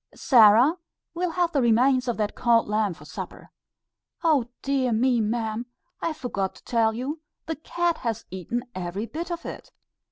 "Sarah, we'll have the remains of that cold lamb for supper." "Oh! dear me, ma'am; I forgot to tell you, the cat has eaten every bit of it.